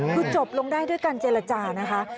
คือจบลงได้ด้วยการเจรจานะคะ